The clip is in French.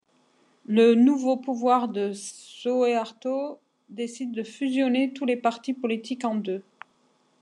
Le nouveau pouvoir de Soeharto décide de fusionner tous les partis politiques en deux.